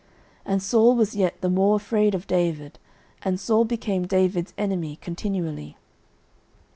09:018:029 And Saul was yet the more afraid of David; and Saul became David's enemy continually.